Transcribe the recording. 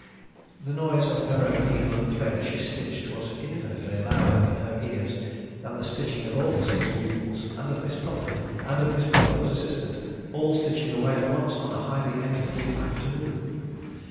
The noise of her own needle and thread as she stitched, was infinitely louder in her ears than the stitching of all the six pupils, and of Miss Pupford, and of Miss Pupford's assistant, all stitching away at once on a highly emulative afternoon.